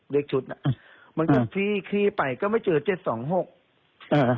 เลขชุดน่ะมันก็พี่คี่ไปก็ไม่เจอเจ็ดสองหก